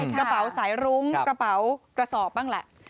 กระเป๋าสายรุ้งกระเป๋ากระสอบบ้างแหละ